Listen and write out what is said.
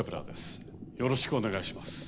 よろしくお願いします。